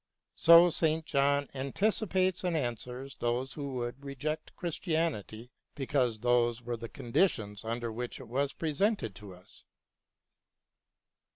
So St. John anticipates and answers those who would reject Christianity because those were the conditions under which it was presented to us.